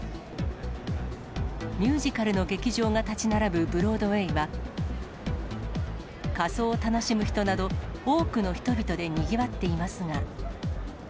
ミュージカルの劇場が建ち並ぶブロードウェイは、仮装を楽しむ人など、多くの人々でにぎわっていますが。